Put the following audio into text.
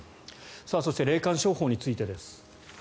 そして霊感商法についてです。